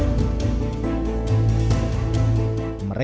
jokowi juga menegaskan bahwa pengumpulan data dan informasi yang dilakukan oleh intelijen